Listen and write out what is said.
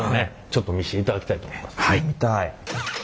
ちょっと見していただきたいと思います。